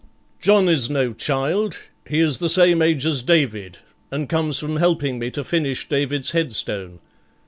'John is no child; he is the same age as David, and comes from helping me to finish David's headstone.